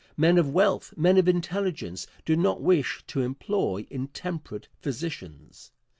Men of wealth, men of intelligence, do not wish to employ intemperate physicians.